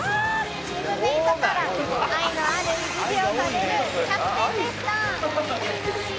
「チームメートから愛のあるいじりをされるキャプテンでした！」